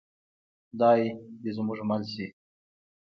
خدای دې زموږ مل شي؟